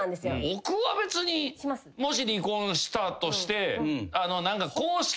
僕は別にもし離婚したとして。